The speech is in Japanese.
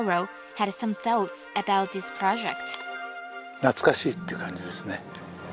懐かしいっていう感じですね。